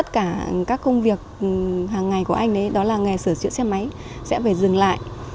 các công việc hàng ngày của anh ấy đó là nghề sửa chữa xe máy sẽ phải dừng lại